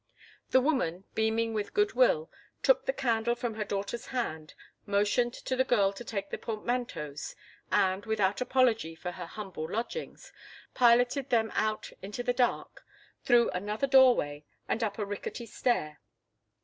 The woman, beaming with good will, took the candle from her daughter's hand, motioned to the girl to take the portmanteaus, and, without apology for her humble lodgings, piloted them out into the dark, through another doorway, and up a rickety stair.